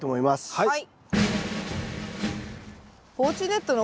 はい。